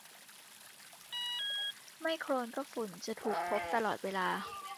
ไม่โคลนก็ฝุ่นจะถูกพบตลอดเวลา